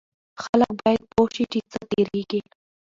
خلک باید پوه شي چې څه تیریږي.